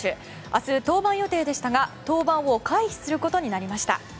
明日登板予定でしたが、登板を回避することになりました。